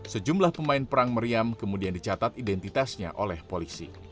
sejumlah pemain perang meriam kemudian dicatat identitasnya oleh polisi